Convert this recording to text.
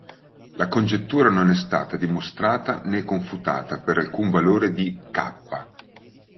La congettura non è stata dimostrata né confutata per alcun valore di "k".